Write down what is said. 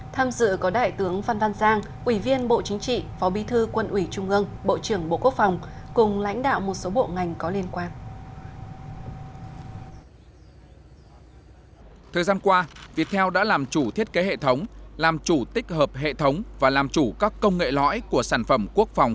tham dự có đại tướng phan van giang ủy viên bộ chính trị phó bí thư quân ủy trung ương bộ trưởng bộ quốc phòng